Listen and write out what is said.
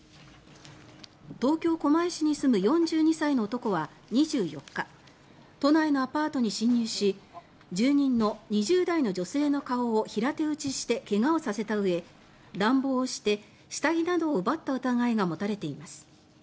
東京・狛江市に住む４２歳の男は２４日都内のアパートに侵入し住人の２０代の女性の顔を平手打ちして怪我をさせたうえ乱暴をして、下着などを奪った疑いが持たれています。